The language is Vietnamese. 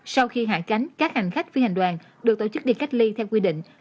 sau khi hạ cánh các hành khách phi hành đoàn được tổ chức đi cách ly theo quy định